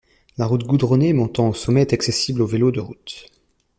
La route goudronnée montant au sommet est accessible aux vélos de route.